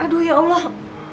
aduh ya allah